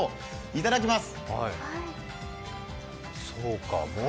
いただきます。